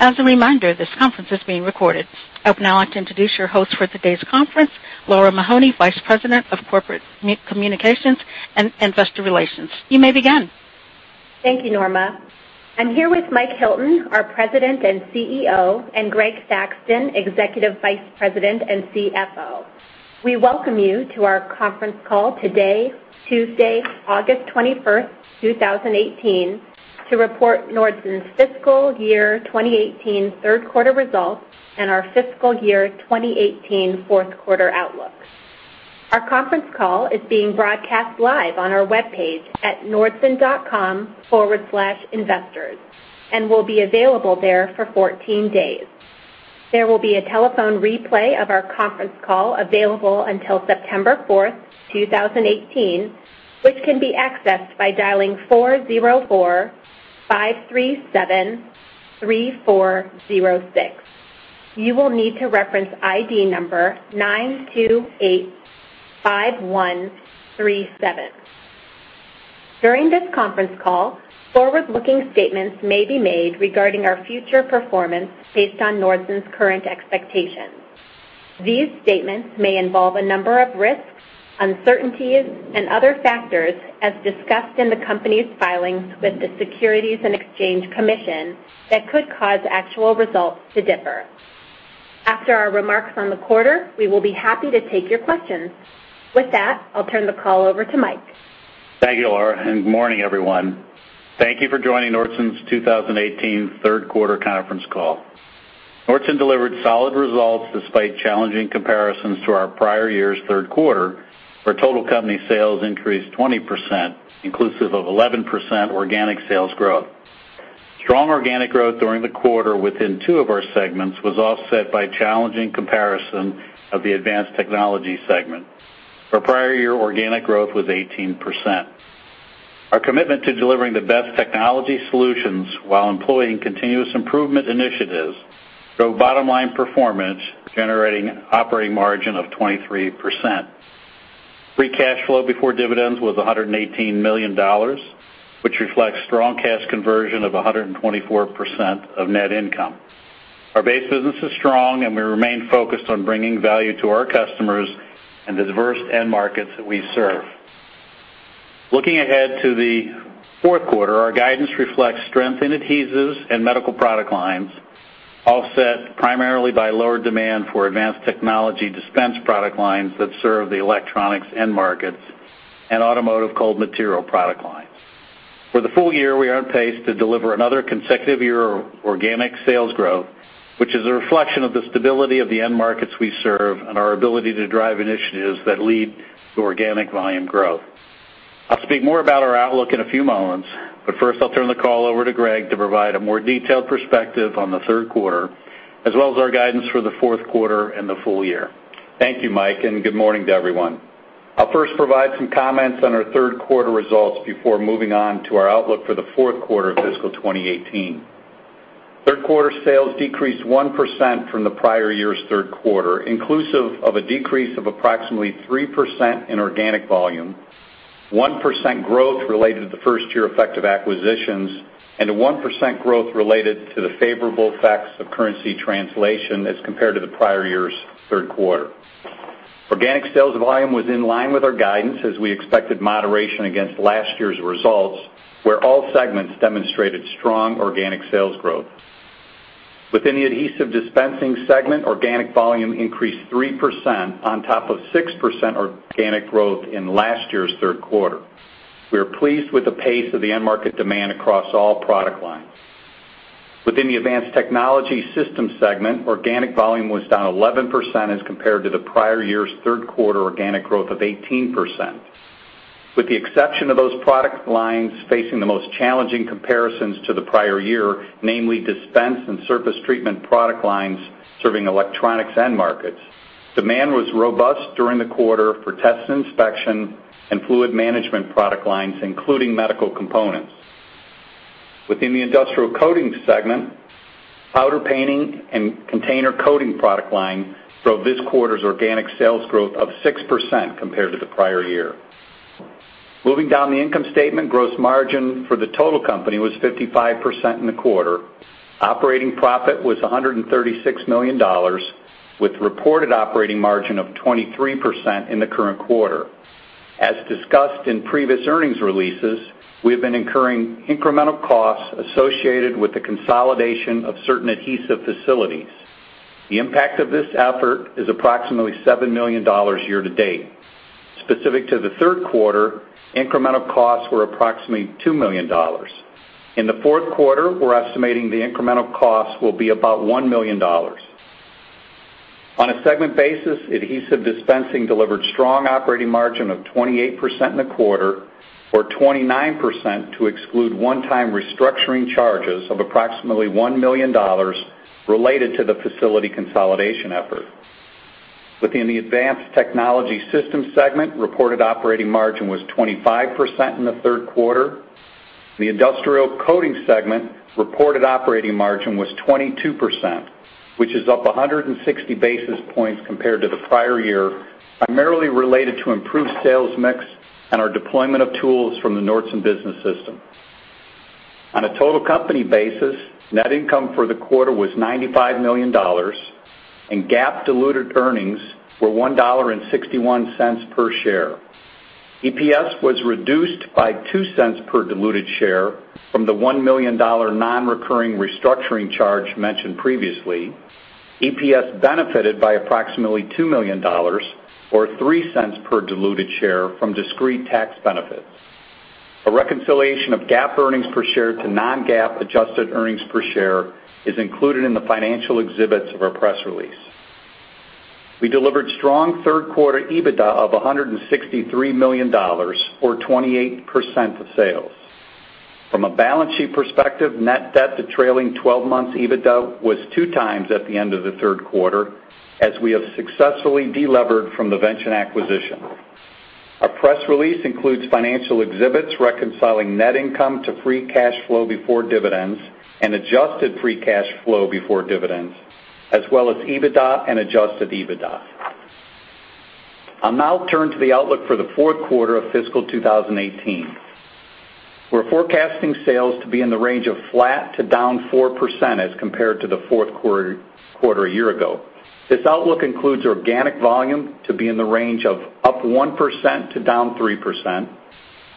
As a reminder, this conference is being recorded. I would now like to introduce your host for today's conference, Lara Mahoney, Vice President of Corporate Communications and Investor Relations. You may begin. Thank you, Norma. I'm here with Mike Hilton, our President and CEO, and Greg Saxton, Executive Vice President and CFO. We welcome you to our conference call today, Tuesday, 21st August 2018, to report Nordson's fiscal year 2018 third quarter results and our fiscal year 2018 fourth quarter outlook. Our conference call is being broadcast live on our webpage at nordson.com/investors and will be available there for 14 days. There will be a telephone replay of our conference call available until 4th September 2018, which can be accessed by dialing 404-537-3406. You will need to reference ID number 9285137. During this conference call, forward-looking statements may be made regarding our future performance based on Nordson's current expectations. These statements may involve a number of risks, uncertainties, and other factors, as discussed in the company's filings with the Securities and Exchange Commission that could cause actual results to differ. After our remarks on the quarter, we will be happy to take your questions. With that, I'll turn the call over to Mike. Thank you, Lara, and good morning, everyone. Thank you for joining Nordson's 2018 third quarter conference call. Nordson delivered solid results despite challenging comparisons to our prior year's third quarter, where total company sales increased 20%, inclusive of 11% organic sales growth. Strong organic growth during the quarter within two of our segments was offset by challenging comparison of the advanced technology segment. Our prior year organic growth was 18%. Our commitment to delivering the best technology solutions while employing continuous improvement initiatives drove bottom-line performance, generating operating margin of 23%. Free cash flow before dividends was $118 million, which reflects strong cash conversion of 124% of net income. Our base business is strong, and we remain focused on bringing value to our customers and the diverse end markets that we serve. Looking ahead to the fourth quarter, our guidance reflects strength in adhesives and medical product lines, offset primarily by lower demand for advanced technology dispense product lines that serve the electronics end markets and automotive cold material product lines. For the full year, we are on pace to deliver another consecutive year of organic sales growth, which is a reflection of the stability of the end markets we serve and our ability to drive initiatives that lead to organic volume growth. I'll speak more about our outlook in a few moments, but first, I'll turn the call over to Greg to provide a more detailed perspective on the third quarter, as well as our guidance for the fourth quarter and the full year. Thank you, Mike, and good morning to everyone. I'll first provide some comments on our third quarter results before moving on to our outlook for the fourth quarter of fiscal 2018. Third quarter sales decreased 1% from the prior year's third quarter, inclusive of a decrease of approximately 3% in organic volume, 1% growth related to the first year effect of acquisitions, and a 1% growth related to the favorable effects of currency translation as compared to the prior year's third quarter. Organic sales volume was in line with our guidance as we expected moderation against last year's results, where all segments demonstrated strong organic sales growth. Within the Adhesive Dispensing segment, organic volume increased 3% on top of 6% organic growth in last year's third quarter. We are pleased with the pace of the end market demand across all product lines. Within the Advanced Technology Solutions segment, organic volume was down 11% as compared to the prior year's third quarter organic growth of 18%. With the exception of those product lines facing the most challenging comparisons to the prior year, namely dispense and surface treatment product lines serving electronics end markets, demand was robust during the quarter for Test & Inspection and fluid management product lines, including medical components. Within the Industrial Coating Systems segment, powder coating and container coating product line drove this quarter's organic sales growth of 6% compared to the prior year. Moving down the income statement, gross margin for the total company was 55% in the quarter. Operating profit was $136 million, with reported operating margin of 23% in the current quarter. As discussed in previous earnings releases, we have been incurring incremental costs associated with the consolidation of certain adhesive facilities. The impact of this effort is approximately $7 million year to date. Specific to the third quarter, incremental costs were approximately $2 million. In the fourth quarter, we're estimating the incremental costs will be about $1 million. On a segment basis, Adhesive Dispensing delivered strong operating margin of 28% in the quarter, or 29% to exclude one-time restructuring charges of approximately $1 million related to the facility consolidation effort. Within the Advanced Technology Solutions segment, reported operating margin was 25% in the third quarter. The Industrial Coating Systems segment reported operating margin was 22%, which is up 160 basis points compared to the prior year, primarily related to improved sales mix and our deployment of tools from the Nordson Business System. On a total company basis, net income for the quarter was $95 million, and GAAP diluted earnings were $1.61 per share. EPS was reduced by $0.02 per diluted share from the $1 million nonrecurring restructuring charge mentioned previously. EPS benefited by approximately $2 million, or $0.03 per diluted share from discrete tax benefits. A reconciliation of GAAP earnings per share to non-GAAP adjusted earnings per share is included in the financial exhibits of our press release. We delivered strong third quarter EBITDA of $163 million, or 28% of sales. From a balance sheet perspective, net debt to trailing 12 months EBITDA was 2x at the end of the third quarter as we have successfully delevered from the Vention acquisition. Our press release includes financial exhibits reconciling net income to free cash flow before dividends and adjusted free cash flow before dividends, as well as EBITDA and adjusted EBITDA. I'll now turn to the outlook for the fourth quarter of fiscal 2018. We're forecasting sales to be in the range of flat to down 4% as compared to the fourth quarter a year ago. This outlook includes organic volume to be in the range of up 1% to down 3%,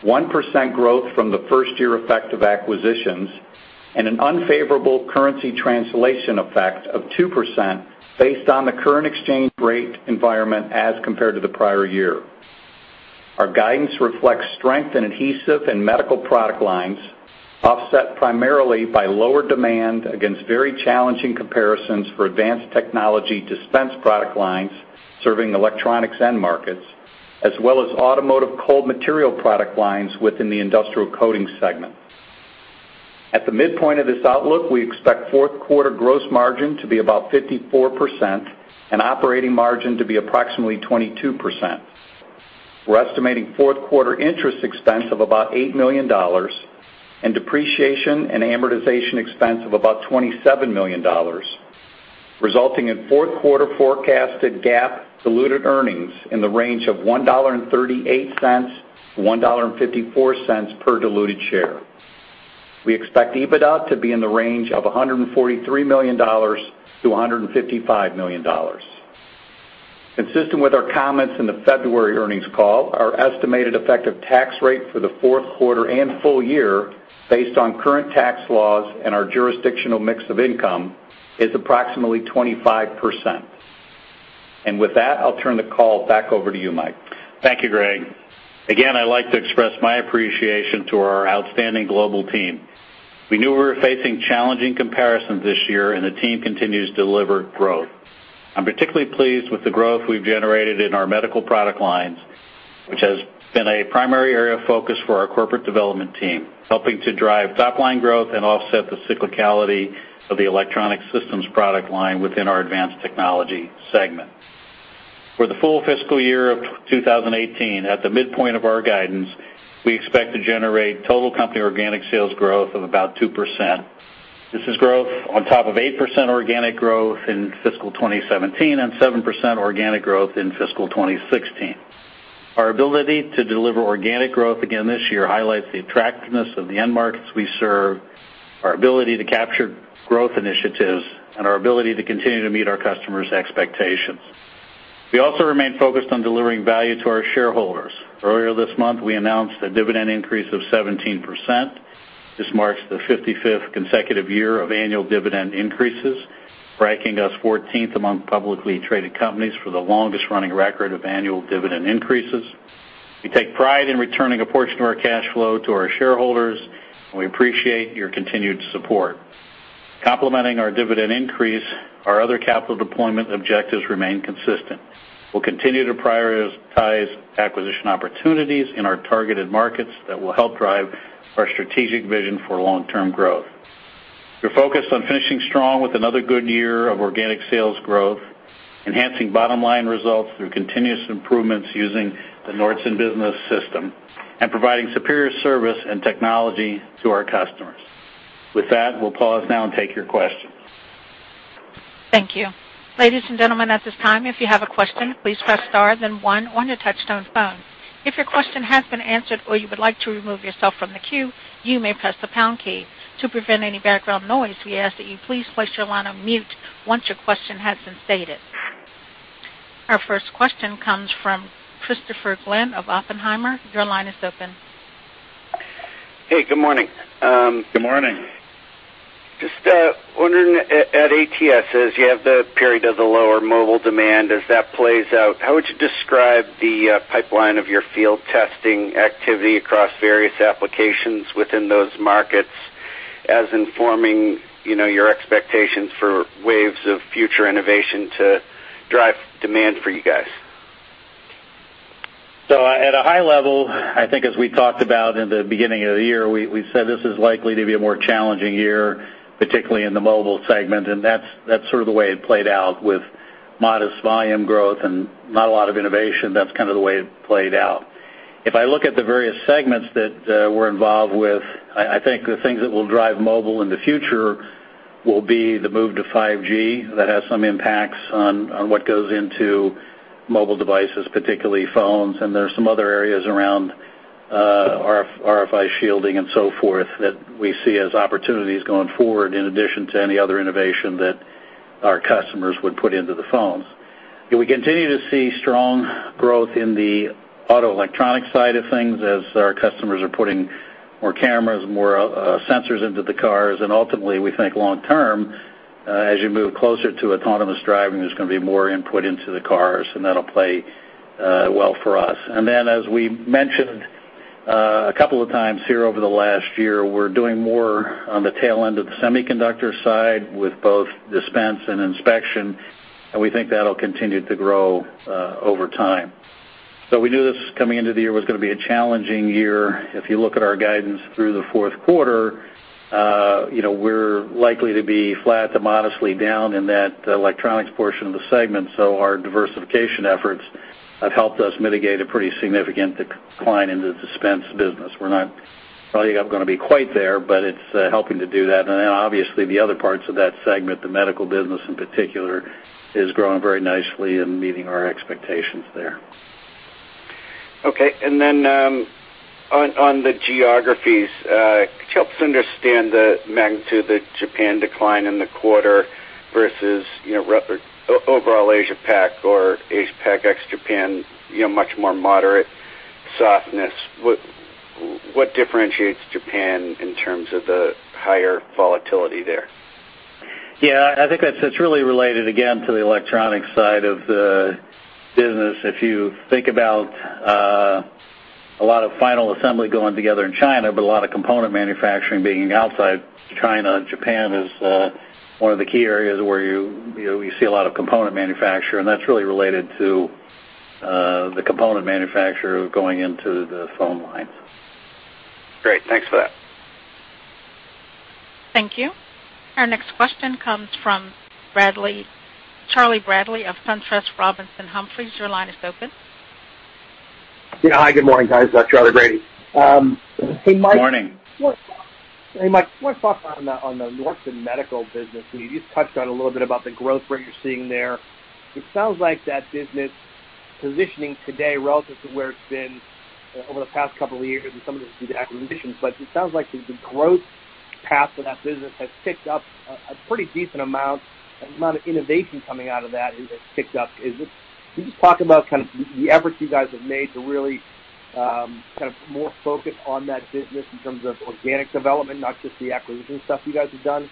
1% growth from the first year effect of acquisitions, and an unfavorable currency translation effect of 2% based on the current exchange rate environment as compared to the prior year. Our guidance reflects strength in adhesive and medical product lines, offset primarily by lower demand against very challenging comparisons for advanced technology dispense product lines, serving electronics end markets, as well as automotive cold material product lines within the industrial coating segment.At the midpoint of this outlook, we expect fourth quarter gross margin to be about 54% and operating margin to be approximately 22%. We're estimating fourth quarter interest expense of about $8 million and depreciation and amortization expense of about $27 million, resulting in fourth quarter forecasted GAAP diluted earnings in the range of $1.38-$1.54 per diluted share. We expect EBITDA to be in the range of $143 million-$155 million. Consistent with our comments in the February earnings call, our estimated effective tax rate for the fourth quarter and full year, based on current tax laws and our jurisdictional mix of income, is approximately 25%. With that, I'll turn the call back over to you, Mike. Thank you, Greg. Again, I'd like to express my appreciation to our outstanding global team. We knew we were facing challenging comparisons this year, and the team continues to deliver growth. I'm particularly pleased with the growth we've generated in our medical product lines, which has been a primary area of focus for our corporate development team, helping to drive top line growth and offset the cyclicality of the electronic systems product line within our advanced technology segment. For the full fiscal year of 2018, at the midpoint of our guidance, we expect to generate total company organic sales growth of about 2%. This is growth on top of 8% organic growth in fiscal 2017 and 7% organic growth in fiscal 2016. Our ability to deliver organic growth again this year highlights the attractiveness of the end markets we serve, our ability to capture growth initiatives, and our ability to continue to meet our customers' expectations. We also remain focused on delivering value to our shareholders. Earlier this month, we announced a dividend increase of 17%. This marks the 55th consecutive year of annual dividend increases, ranking us 14th among publicly traded companies for the longest running record of annual dividend increases. We take pride in returning a portion of our cash flow to our shareholders, and we appreciate your continued support. Complementing our dividend increase, our other capital deployment objectives remain consistent. We'll continue to prioritize acquisition opportunities in our targeted markets that will help drive our strategic vision for long-term growth. We're focused on finishing strong with another good year of organic sales growth, enhancing bottom line results through continuous improvements using the Nordson Business System, and providing superior service and technology to our customers. With that, we'll pause now and take your questions. Thank you. Ladies and gentlemen, at this time, if you have a question, please press star, then one on your touch-tone phone. If your question has been answered or you would like to remove yourself from the queue, you may press the pound key. To prevent any background noise, we ask that you please place your line on mute once your question has been stated. Our first question comes from Christopher Glynn of Oppenheimer. Your line is open. Hey, good morning. Good morning. Just wondering, at ATS, as you have the period of the lower mobile demand, as that plays out, how would you describe the pipeline of your field testing activity across various applications within those markets as informing, you know, your expectations for waves of future innovation to drive demand for you guys? At a high level, I think as we talked about in the beginning of the year, we said this is likely to be a more challenging year, particularly in the mobile segment, and that's sort of the way it played out with modest volume growth and not a lot of innovation. That's kind of the way it played out. If I look at the various segments that we're involved with, I think the things that will drive mobile in the future will be the move to 5G that has some impacts on what goes into mobile devices, particularly phones. There's some other areas around RFI shielding and so forth, that we see as opportunities going forward in addition to any other innovation that our customers would put into the phones. Yeah, we continue to see strong growth in the auto electronic side of things as our customers are putting more cameras, more sensors into the cars. Ultimately, we think long term, as you move closer to autonomous driving, there's gonna be more input into the cars, and that'll play well for us. Then, as we mentioned, a couple of times here over the last year, we're doing more on the tail end of the semiconductor side with both dispense and inspection, and we think that'll continue to grow over time. We knew this coming into the year was gonna be a challenging year. If you look at our guidance through the fourth quarter, you know, we're likely to be flat to modestly down in that electronics portion of the segment. Our diversification efforts have helped us mitigate a pretty significant decline in the dispense business. We're not probably going to be quite there, but it's helping to do that. Obviously, the other parts of that segment, the medical business in particular, is growing very nicely and meeting our expectations there. Okay. On the geographies, could you help us understand the magnitude of the Japan decline in the quarter versus, you know, overall Asia PAC or Asia PAC ex-Japan, you know, much more moderate softness. What differentiates Japan in terms of the higher volatility there? Yeah, I think that's really related again to the electronics side of the business. If you think about a lot of final assembly going together in China, but a lot of component manufacturing being outside China, Japan is one of the key areas where you know you see a lot of component manufacturing, and that's really related to the component manufacturing going into the phone line. Great. Thanks for that. Thank you. Our next question comes from Charley Brady of SunTrust Robinson Humphrey. Your line is open. Yeah. Hi, good morning, guys. Charley Brady. Hey, Mike- Morning. Hey, Mike. More thoughts on the Nordson MEDICAL business. You just touched on a little bit about the growth rate you're seeing there. It sounds like that business positioning today relative to where it's been over the past couple of years, and some of it is due to acquisitions, but it sounds like the growth path of that business has picked up a pretty decent amount. The amount of innovation coming out of that has picked up. Can you just talk about kind of the efforts you guys have made to really kind of more focus on that business in terms of organic development, not just the acquisition stuff you guys have done?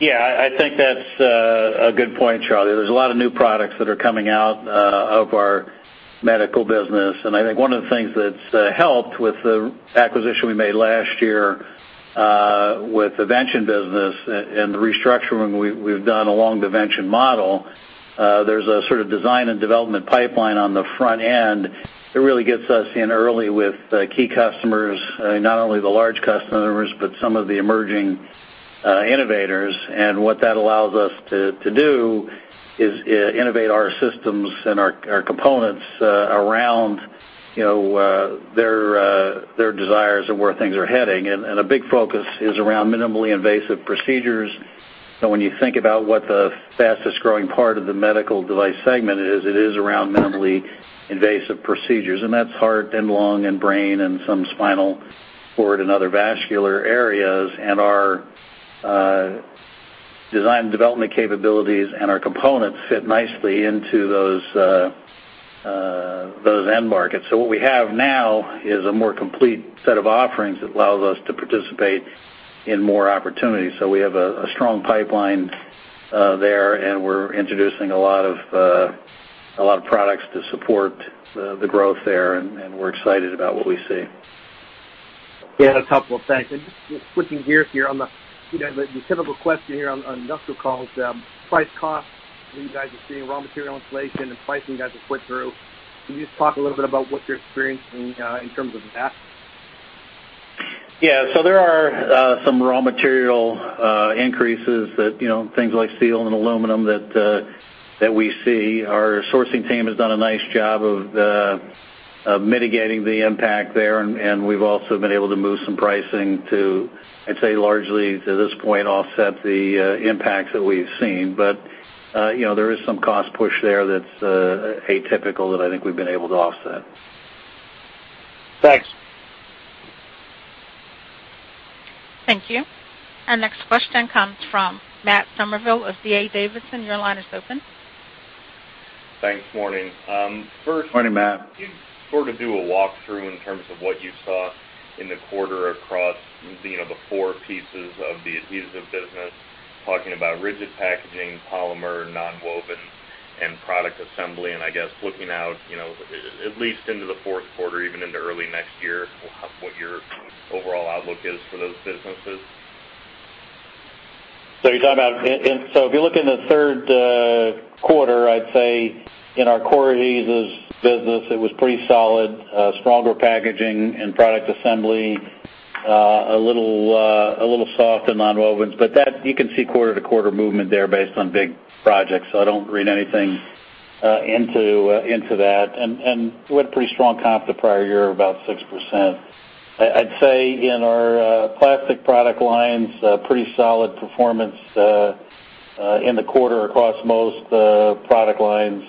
Yeah. I think that's a good point, Charlie. There's a lot of new products that are coming out of our medical business, and I think one of the things that's helped with the acquisition we made last year with the Vention business and the restructuring we've done along the Vention model. There's a sort of design and development pipeline on the front end that really gets us in early with key customers, not only the large customers, but some of the emerging innovators. What that allows us to do is innovate our systems and our components around, you know, their desires of where things are heading. A big focus is around minimally invasive procedures. When you think about what the fastest-growing part of the medical device segment is, it is around minimally invasive procedures, and that's heart and lung and brain and some spinal fluid and other vascular areas. Our design and development capabilities and our components fit nicely into those end markets. What we have now is a more complete set of offerings that allows us to participate in more opportunities. We have a strong pipeline there, and we're introducing a lot of products to support the growth there, and we're excited about what we see. Yeah, a couple of things. Just switching gears here on the, you know, the typical question here on industrial calls, price cost that you guys are seeing, raw material inflation and pricing you guys are put through. Can you just talk a little bit about what you're experiencing in terms of that? Yeah. There are some raw material increases that, you know, things like steel and aluminum that we see. Our sourcing team has done a nice job of mitigating the impact there, and we've also been able to move some pricing to, I'd say, largely to this point, offset the impacts that we've seen. But you know, there is some cost push there that's atypical that I think we've been able to offset. Thanks. Thank you. Our next question comes from Matt Summerville of D.A. Davidson & Co. Your line is open. Thanks. Morning. Morning, Matt. Can you sort of do a walkthrough in terms of what you saw in the quarter across, you know, the four pieces of the adhesive business, talking about Rigid Packaging, polymer, Non-woven, and Product Assembly, and I guess looking out, you know, at least into the fourth quarter, even into early next year, what your overall outlook is for those businesses? If you look in the third quarter, I'd say in our core adhesives business, it was pretty solid. Stronger packaging and Product Assembly, a little soft in Nonwovens. But that you can see quarter-to-quarter movement there based on big projects, so I don't read anything into that. We had pretty strong comp the prior year, about 6%. I'd say in our plastic product lines, pretty solid performance in the quarter across most product lines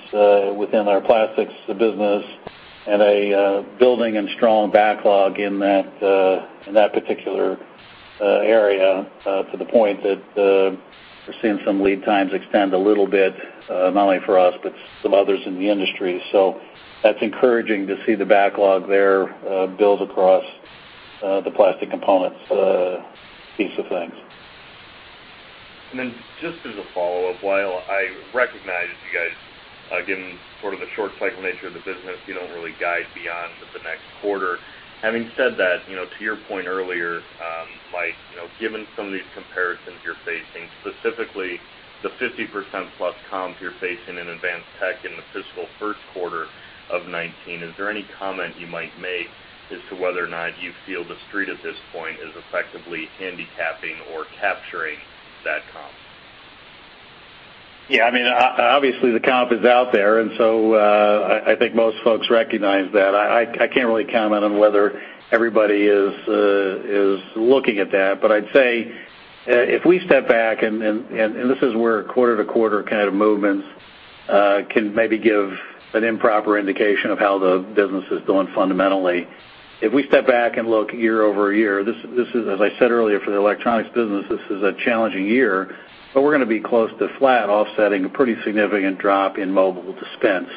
within our plastics business. A bulging and strong backlog in that particular area, to the point that we're seeing some lead times extend a little bit, not only for us, but some others in the industry. That's encouraging to see the backlog there build across the plastic components piece of things. Just as a follow-up, while I recognize you guys, again, sort of the short cycle nature of the business, you don't really guide beyond the next quarter. Having said that, you know, to your point earlier, Mike, you know, given some of these comparisons you're facing, specifically the 50%+ comps you're facing in advanced tech in the fiscal first quarter of 2019, is there any comment you might make as to whether or not you feel the Street at this point is effectively handicapping or capturing that comp? Yeah. I mean, obviously, the comp is out there, and so, I think most folks recognize that. I can't really comment on whether everybody is looking at that, but I'd say if we step back and this is where quarter-to-quarter kind of movements can maybe give an improper indication of how the business is doing fundamentally. If we step back and look year-over-year, this is, as I said earlier, for the electronics business, this is a challenging year, but we're gonna be close to flat, offsetting a pretty significant drop in mobile dispense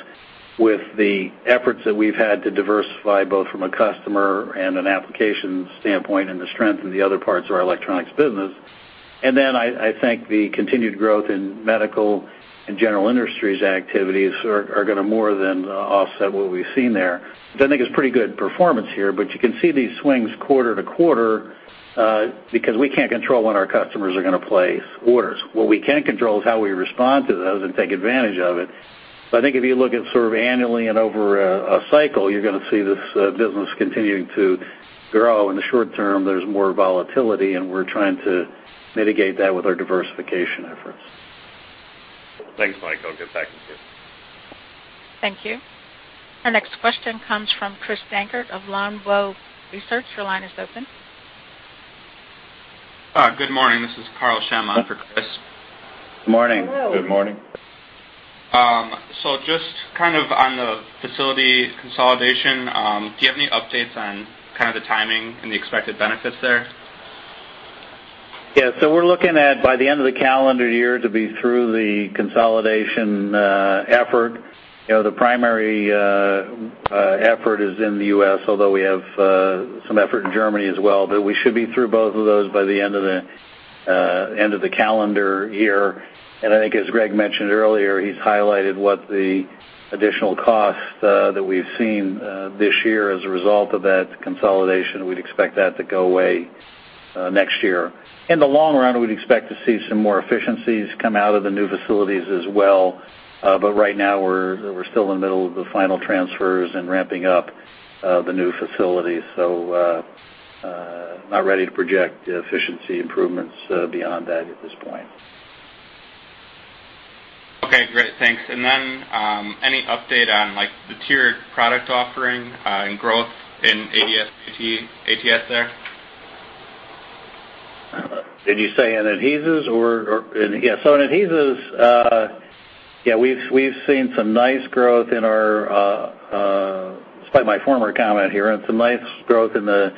with the efforts that we've had to diversify both from a customer and an application standpoint, and the strength in the other parts of our electronics business. I think the continued growth in medical and general industries activities are gonna more than offset what we've seen there. I think it's pretty good performance here, but you can see these swings quarter to quarter, because we can't control when our customers are gonna place orders. What we can control is how we respond to those and take advantage of it. I think if you look at sort of annually and over a cycle, you're gonna see this business continuing to grow. In the short term, there's more volatility, and we're trying to mitigate that with our diversification efforts. Thanks, Mike. I'll get back to you. Thank you. Our next question comes from Chris Dankert of Longbow Research. Your line is open. Good morning. This is [Carl Shem] for Chris. Morning. Hello. Good morning. Just kind of on the facility consolidation, do you have any updates on kind of the timing and the expected benefits there? Yeah. We're looking at by the end of the calendar year to be through the consolidation effort. You know, the primary effort is in the U.S., although we have some effort in Germany as well. We should be through both of those by the end of the calendar year. I think as Greg mentioned earlier, he's highlighted what the additional cost that we've seen this year as a result of that consolidation. We'd expect that to go away next year. In the long run, we'd expect to see some more efficiencies come out of the new facilities as well. Right now, we're still in the middle of the final transfers and ramping up the new facilities. We're not ready to project efficiency improvements beyond that at this point. Okay. Great. Thanks. Any update on, like, the tiered product offering, and growth in ATS there? Yeah. In adhesives, yeah, we've seen, despite my former comment here, some nice growth in the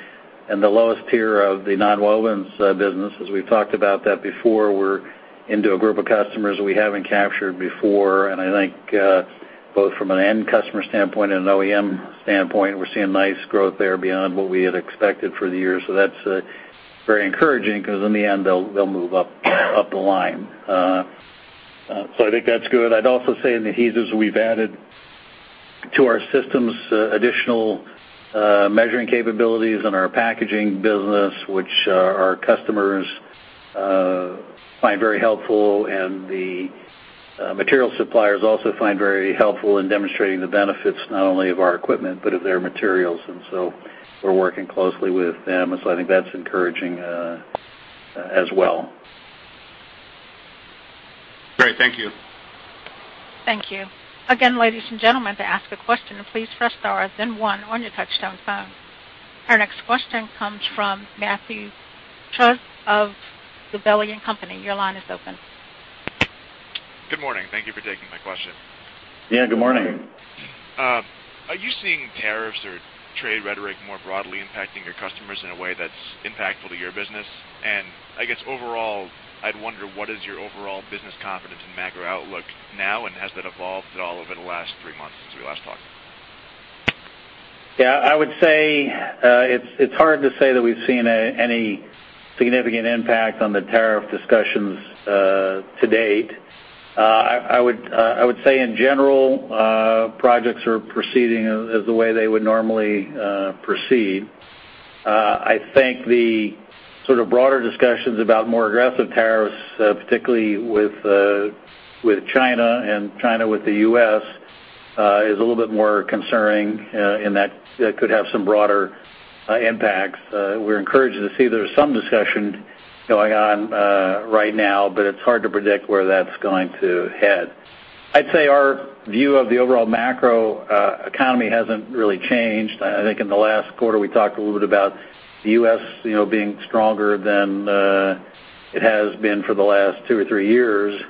lowest tier of the Nonwovens business. As we've talked about that before, we're into a group of customers we haven't captured before. I think both from an end customer standpoint and an OEM standpoint, we're seeing nice growth there beyond what we had expected for the year. That's very encouraging 'cause in the end, they'll move up the line. I think that's good. I'd also say in adhesives, we've added to our systems additional measuring capabilities in our packaging business, which our customers find very helpful. The material suppliers also find very helpful in demonstrating the benefits not only of our equipment but of their materials. We're working closely with them. I think that's encouraging as well. Great. Thank you. Thank you. Again, ladies and gentlemen, to ask a question, please press star then one on your touch-tone phone. Our next question comes from Matthew Trusz of Gabelli & Company. Your line is open. Good morning. Thank you for taking my question. Yeah, good morning. Are you seeing tariffs or trade rhetoric more broadly impacting your customers in a way that's impactful to your business? I guess overall, I'd wonder what is your overall business confidence in macro outlook now, and has that evolved at all over the last three months since we last talked? Yeah. I would say it's hard to say that we've seen any significant impact on the tariff discussions to date. I would say in general projects are proceeding as the way they would normally proceed. I think the sort of broader discussions about more aggressive tariffs particularly with China and with the U.S. is a little bit more concerning in that it could have some broader impacts. We're encouraged to see there's some discussion going on right now, but it's hard to predict where that's going to head. I'd say our view of the overall macro economy hasn't really changed. I think in the last quarter, we talked a little bit about the U.S., you know, being stronger than it has been for the last two or three years.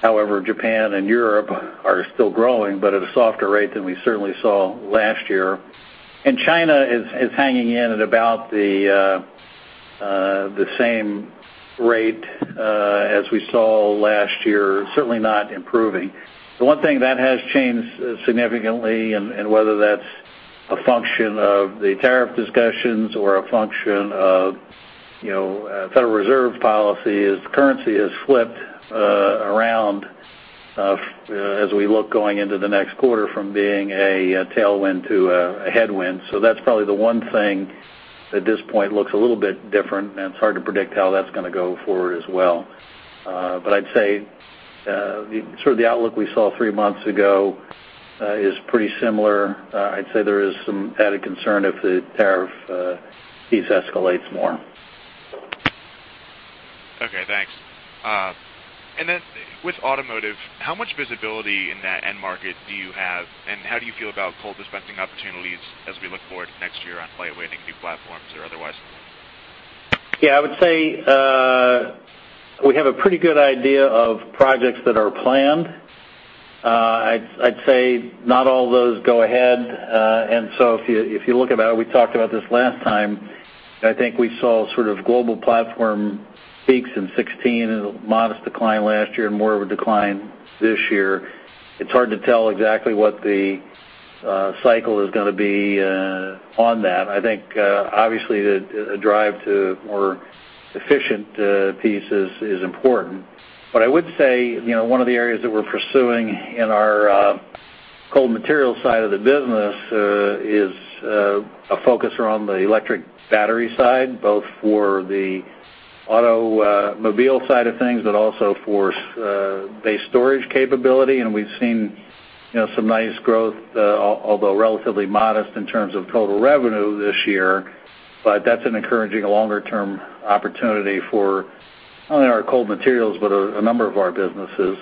However, Japan and Europe are still growing, but at a softer rate than we certainly saw last year. China is hanging in at about the same rate as we saw last year, certainly not improving. The one thing that has changed significantly, and whether that's a function of the tariff discussions or a function of, you know, Federal Reserve policy, is currency has flipped around as we look going into the next quarter from being a tailwind to a headwind. That's probably the one thing at this point looks a little bit different, and it's hard to predict how that's gonna go forward as well. I'd say sort of the outlook we saw three months ago is pretty similar. I'd say there is some added concern if the tariff piece escalates more. Okay, thanks. With automotive, how much visibility in that end market do you have, and how do you feel about cold dispensing opportunities as we look forward to next year on lightweighting new platforms or otherwise? I would say we have a pretty good idea of projects that are planned. I'd say not all those go ahead. If you look at it, we talked about this last time. I think we saw sort of global platform peaks in 2016 and a modest decline last year and more of a decline this year. It's hard to tell exactly what the cycle is gonna be on that. I think obviously the drive to more efficient processes is important. I would say you know one of the areas that we're pursuing in our cold material side of the business is a focus around the electric battery side, both for the automobile side of things, but also for base storage capability. We've seen, you know, some nice growth, although relatively modest in terms of total revenue this year, but that's an encouraging longer-term opportunity for not only our cold materials, but a number of our businesses.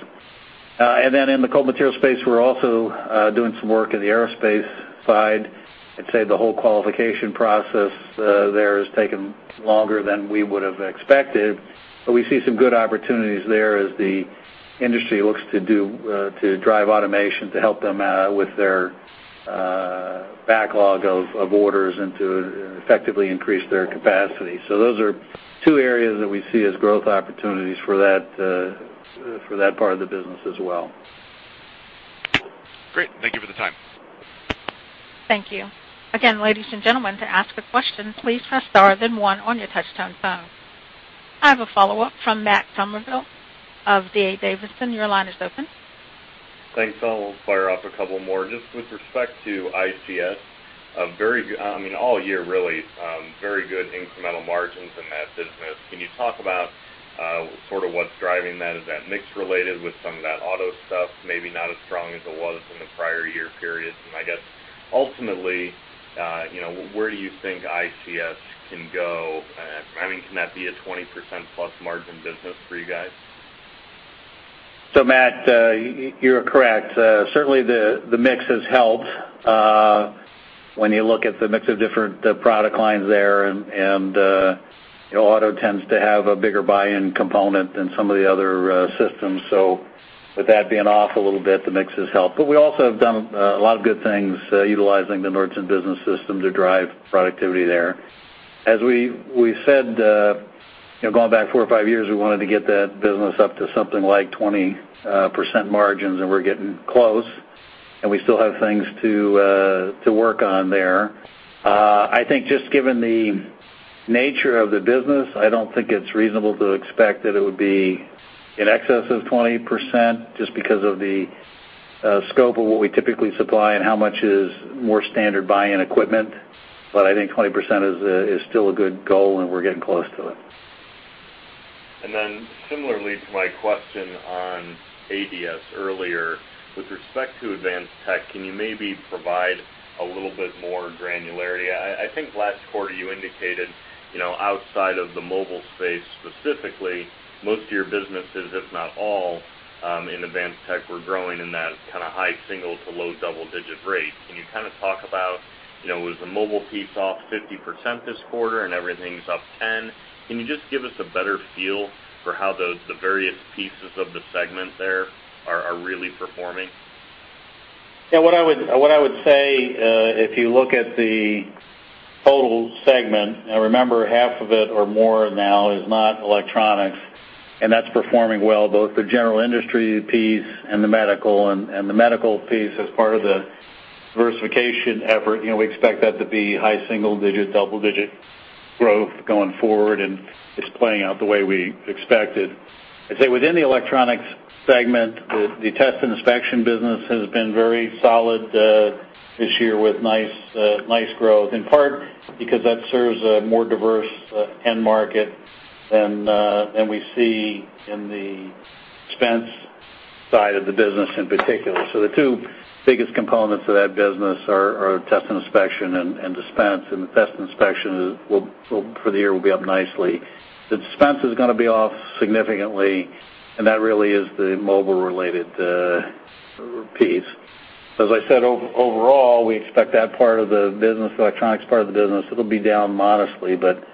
Then in the cold material space, we're also doing some work in the aerospace side. I'd say the whole qualification process there has taken longer than we would have expected, but we see some good opportunities there as the industry looks to do to drive automation to help them out with their backlog of orders and to effectively increase their capacity. Those are two areas that we see as growth opportunities for that part of the business as well. Great. Thank you for the time. Thank you. Again, ladies and gentlemen, to ask a question, please press star then one on your touchtone phone. I have a follow-up from Matt Summerville of D.A. Davidson. Your line is open. Thanks. I'll fire off a couple more. Just with respect to ICS, I mean, all year really, very good incremental margins in that business. Can you talk about, sort of what's driving that? Is that mix related with some of that auto stuff, maybe not as strong as it was in the prior year period? I guess, ultimately, you know, where do you think ICS can go? I mean, can that be a 20% plus margin business for you guys? Matt, you are correct. Certainly the mix has helped when you look at the mix of different product lines there and, you know, auto tends to have a bigger buy-in component than some of the other systems. With that being off a little bit, the mix has helped. We also have done a lot of good things utilizing the Nordson Business System to drive productivity there. As we said, you know, going back four or five years, we wanted to get that business up to something like 20% margins, and we're getting close, and we still have things to work on there. I think just given the nature of the business, I don't think it's reasonable to expect that it would be in excess of 20% just because of the scope of what we typically supply and how much is more standard buy-in equipment. I think 20% is still a good goal, and we're getting close to it. Then similarly to my question on ADS earlier, with respect to Advanced Tech, can you maybe provide a little bit more granularity? I think last quarter you indicated, you know, outside of the mobile space specifically, most of your businesses, if not all, in Advanced Tech were growing in that kind of high single- to low double-digit rate. Can you kind of talk about, you know, was the mobile piece off 50% this quarter and everything's up 10%? Can you just give us a better feel for how those, the various pieces of the segment there are really performing? Yeah, what I would say, if you look at the total segment, now remember, half of it or more now is not electronics, and that's performing well, both the general industry piece and the medical. The medical piece, as part of the diversification effort, you know, we expect that to be high single digit, double-digit growth going forward, and it's playing out the way we expected. I'd say within the electronics segment, the Test & Inspection business has been very solid this year with nice growth, in part because that serves a more diverse end market. We see in the expense side of the business in particular. The two biggest components of that business are Test & Inspection and dispense. The Test & Inspection will for the year be up nicely. The dispense is gonna be off significantly, and that really is the mobile-related piece. As I said, overall, we expect that part of the business, the electronics part of the business, it'll be down modestly, but,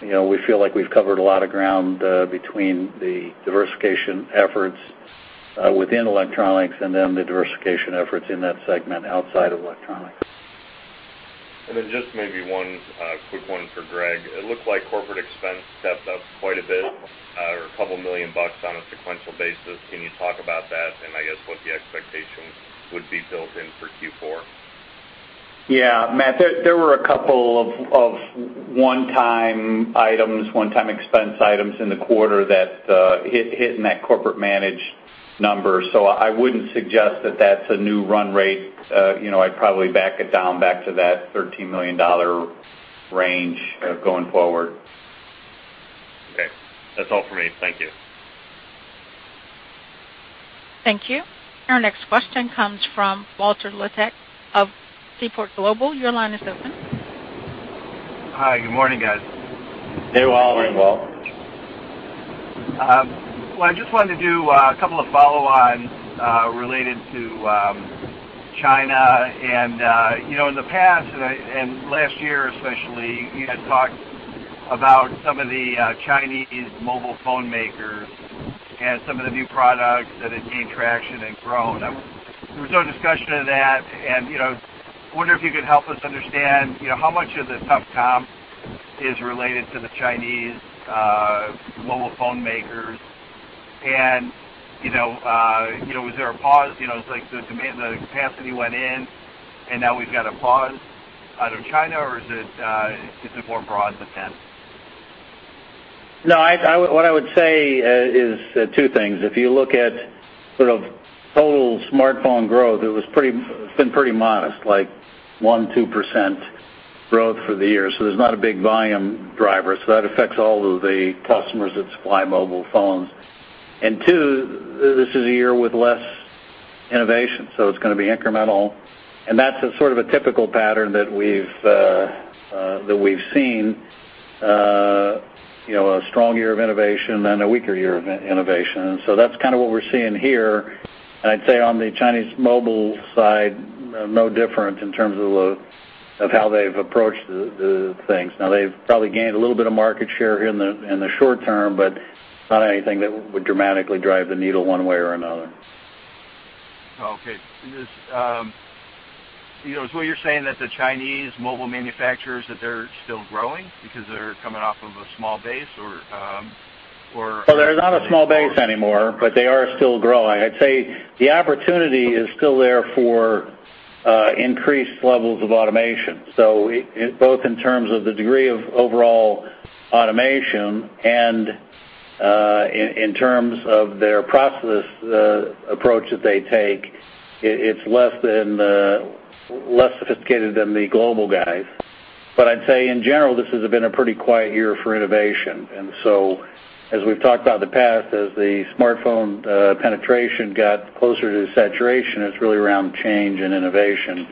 you know, we feel like we've covered a lot of ground, between the diversification efforts within electronics and then the diversification efforts in that segment outside of electronics. Then just maybe one quick one for Greg. It looks like corporate expense stepped up quite a bit, or a couple million bucks on a sequential basis. Can you talk about that and I guess what the expectations would be built in for Q4? Yeah. Matt, there were a couple of one-time items, one-time expense items in the quarter that hit in that corporate G&A number. I wouldn't suggest that that's a new run rate. You know, I'd probably back it down to that $13 million range going forward. Okay. That's all for me. Thank you. Thank you. Our next question comes from Walter Liptak of Seaport Global. Your line is open. Hi. Good morning, guys. Hey, Wal. Morning, Wal. Well, I just wanted to do a couple of follow-ons related to China. In the past, last year, especially, you had talked about some of the Chinese mobile phone makers and some of the new products that had gained traction and grown. There was no discussion of that. You know, I wonder if you could help us understand, you know, how much of the tough comp is related to the Chinese mobile phone makers. You know, is there a pause? You know, it's like the demand, the capacity went in, and now we've got a pause out of China, or is it broader than that? No, what I would say is two things. If you look at sort of total smartphone growth, it was pretty, it's been pretty modest, like 1%-2% growth for the year, so there's not a big volume driver. That affects all of the customers that supply mobile phones. Two, this is a year with less innovation, so it's gonna be incremental. That's a sort of a typical pattern that we've seen, you know, a strong year of innovation, then a weaker year of innovation. That's kind of what we're seeing here. I'd say on the Chinese mobile side, no different in terms of of how they've approached the things. Now they've probably gained a little bit of market share here in the short term, but it's not anything that would dramatically drive the needle one way or another. Okay. You know, so what you're saying that the Chinese mobile manufacturers, that they're still growing because they're coming off of a small base or? Well, they're not a small base anymore, but they are still growing. I'd say the opportunity is still there for increased levels of automation. Both in terms of the degree of overall automation and in terms of their process approach that they take, it's less sophisticated than the global guys. But I'd say in general, this has been a pretty quiet year for innovation. As we've talked about in the past, as the smartphone penetration got closer to saturation, it's really around change and innovation,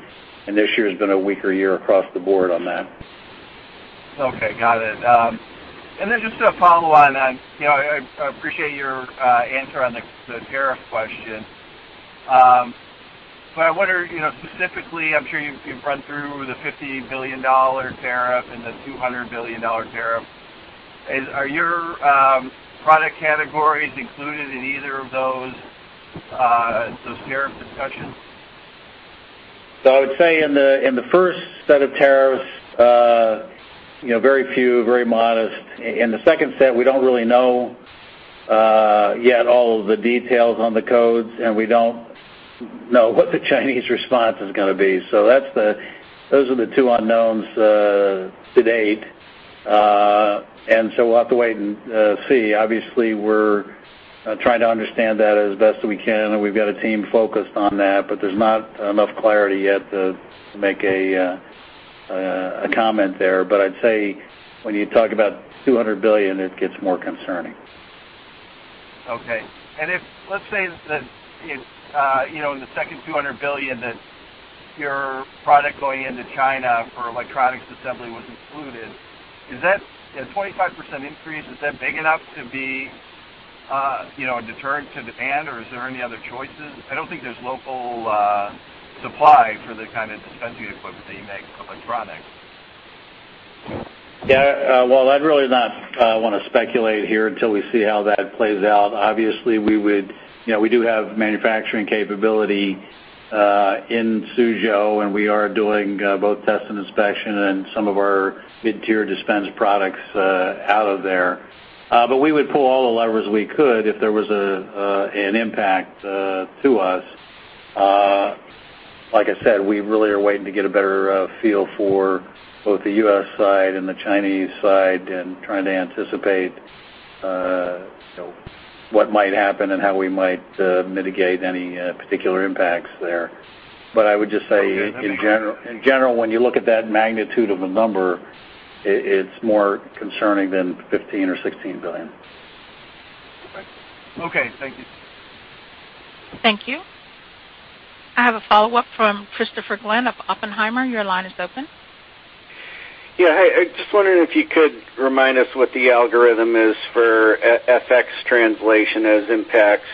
and this year has been a weaker year across the board on that. Okay. Got it. Just to follow on, you know, I appreciate your answer on the tariff question. I wonder, you know, specifically, I'm sure you've run through the $50 billion tariff and the $200 billion tariff. Are your product categories included in either of those tariff discussions? I would say in the first set of tariffs, you know, very few, very modest. In the second set, we don't really know yet all of the details on the codes, and we don't know what the Chinese response is gonna be. Those are the two unknowns to date. We'll have to wait and see. Obviously, we're trying to understand that as best we can, and we've got a team focused on that. But there's not enough clarity yet to make a comment there. But I'd say when you talk about $200 billion, it gets more concerning. Okay. Let's say that if, you know, in the second $200 billion that your product going into China for electronics assembly was included, is that, you know, 25% increase, is that big enough to be, you know, a deterrent to demand, or is there any other choices? I don't think there's local supply for the kind of dispensing equipment that you make for electronics. Yeah. Walter, I'd really not wanna speculate here until we see how that plays out. Obviously, we would, you know, we do have manufacturing capability in Suzhou, and we are doing both Test & Inspection and some of our mid-tier dispense products out of there. But we would pull all the levers we could if there was an impact to us. Like I said, we really are waiting to get a better feel for both the U.S. side and the Chinese side and trying to anticipate, you know, what might happen and how we might mitigate any particular impacts there. I would just say in general, when you look at that magnitude of a number, it's more concerning than $15 billion or $16 billion. Okay. Thank you. Thank you. I have a follow-up from Christopher Glynn of Oppenheimer. Your line is open. Yeah. Hey, I just wondering if you could remind us what the algorithm is for FX translation as impacts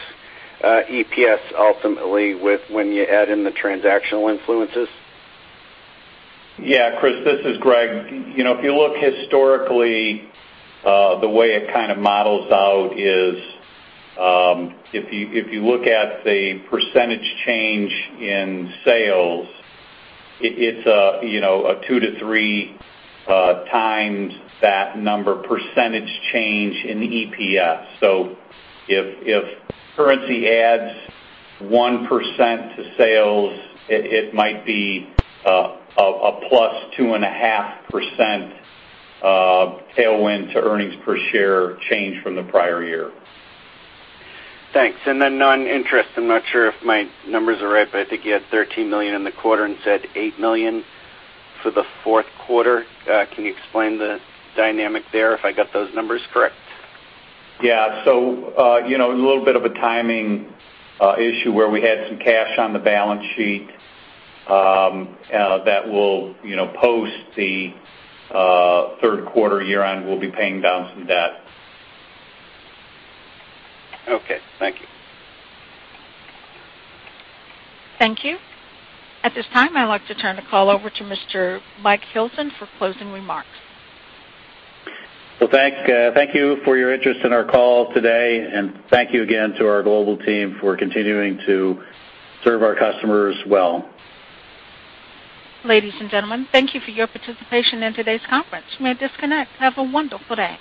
EPS ultimately with when you add in the transactional influences. Yeah. Chris, this is Greg. You know, if you look historically, the way it kind of models out is, if you look at the percentage change in sales, it's a, you know, a 2-3x that number percentage change in EPS. If currency adds 1% to sales, it might be a +2.5% tailwind to earnings per share change from the prior year. Thanks. Non-interest, I'm not sure if my numbers are right, but I think you had $13 million in the quarter and said $8 million for the fourth quarter. Can you explain the dynamic there, if I got those numbers correct? You know, a little bit of a timing issue where we had some cash on the balance sheet that will, you know, post the third quarter year-end, we'll be paying down some debt. Okay. Thank you. Thank you. At this time, I'd like to turn the call over to Mr. Michael F. Hilton for closing remarks. Well, thank you for your interest in our call today, and thank you again to our global team for continuing to serve our customers well. Ladies and gentlemen, thank you for your participation in today's conference. You may disconnect. Have a wonderful day.